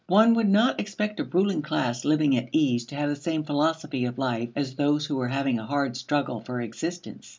One would not expect a ruling class living at ease to have the same philosophy of life as those who were having a hard struggle for existence.